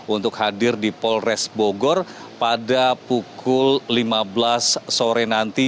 untuk hadir di polres bogor pada pukul lima belas sore nanti